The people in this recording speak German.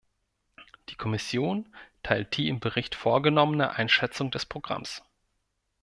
Die Kommission teilt die im Bericht vorgenommene Einschätzung des Programms.